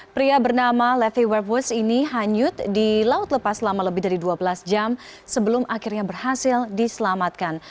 pria bernama levy werves ini hanyut di laut lepas selama lebih dari dua belas jam sebelum akhirnya berhasil diselamatkan